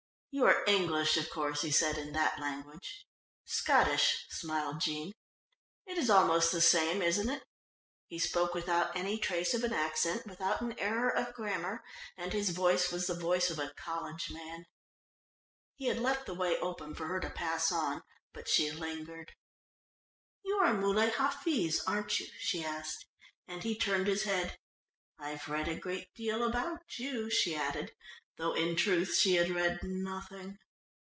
"You are English, of course," he said in that language. "Scottish," smiled Jean. "It is almost the same, isn't it?" He spoke without any trace of an accent, without an error of grammar, and his voice was the voice of a college man. He had left the way open for her to pass on, but she lingered. "You are Muley Hafiz, aren't you?" she asked, and he turned his head. "I've read a great deal about you," she added, though in truth she had read nothing.